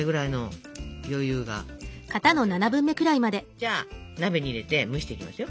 じゃあ鍋に入れて蒸していきますよ。